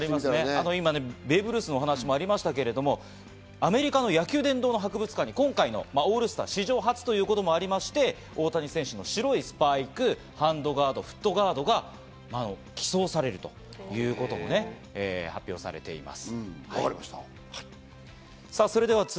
ベーブ・ルースのお話もありましたけど、アメリカの野球殿堂博物館に今回のオールスター史上初ということもありまして大谷選手の白いスパイク、ハンドガード、フットガードが寄贈されるということなんです。